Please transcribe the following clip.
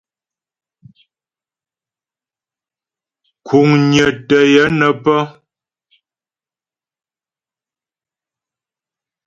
Kuŋnyə tə́ yə nə́ pə́.